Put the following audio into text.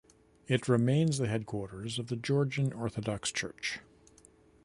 It remains the headquarters of the Georgian Orthodox Church.